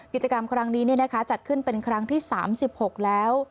กิจกรรมครั้งนี้จัดขึ้นเป็นครั้งที่๓๖แล้ว